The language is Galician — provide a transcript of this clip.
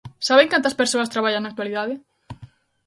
¿Saben cantas persoas traballan na actualidade?